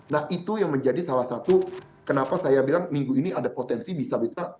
nah itu yang menjadi salah satu kenapa saya bilang minggu ini ada potensi bisa bisa